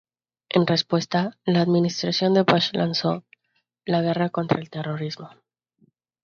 En respuesta, la administración de Bush lanzó la "guerra contra el terrorismo".